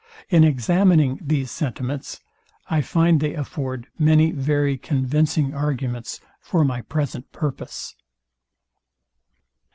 In examining these sentiments, I find they afford many very convincing arguments for my present purpose.